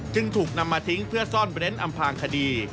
จึงถูกนำมาทิ้งเพื่อซ่อนเร้นอำพางคดี